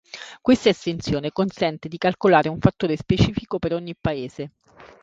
Questa estensione consente di calcolare un fattore specifico per ogni paese.